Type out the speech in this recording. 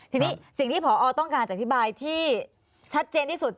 ทีนี้สิ่งที่พอต้องการจะอธิบายที่ชัดเจนที่สุด